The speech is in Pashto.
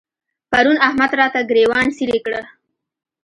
پرون احمد راته ګرېوان څيرې کړ.